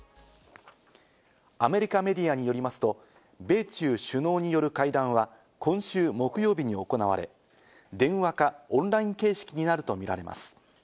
アメリカメディアによりますと、米中首脳による会談は今週木曜日に行われ、電話か、オンライン形式になるとみられます。